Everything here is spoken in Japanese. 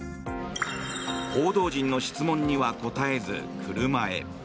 報道陣の質問には答えず、車へ。